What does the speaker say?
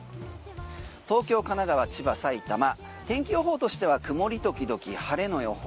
東京、神奈川、千葉、埼玉天気予報としては曇り時々晴れの予報。